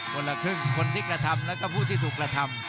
คนละครึ่งคนที่กระทำแล้วก็ผู้ที่ถูกกระทำ